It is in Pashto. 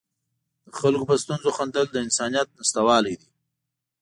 د خلکو په ستونزو خندل د انسانیت نشتوالی دی.